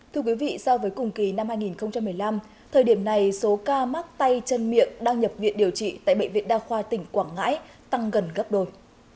thưa quý vị so với cùng kỳ năm hai nghìn một mươi năm thời điểm này số ca mắc tay chân miệng đang nhập viện điều trị tại bệnh viện đa khoa tỉnh quảng ngãi tăng gần gấp đôi